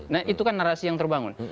nah itu kan narasi yang terbangun